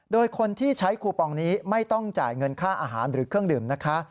โดยคนที่ใช้คูปองนี้ไม่ต้องจ่ายเงินค่าอาหารหรือเครื่องดื่มนะคะ